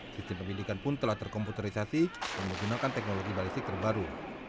sistem pemilikan pun telah terkomputerisasi mempergunakan teknologi balisik terbaru